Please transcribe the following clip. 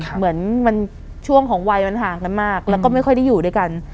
เหมือนช่วงของวัยมันห่างกันมากแล้วก็ไม่ค่อยได้อยู่ด้วยกัน